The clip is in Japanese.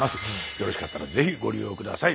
よろしかったらぜひご利用下さい。